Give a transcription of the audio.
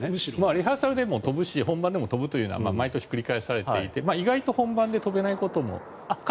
リハーサルでも飛ぶし本番でも飛ぶというのは毎年、繰り返されていて意外と本番で飛べないことも。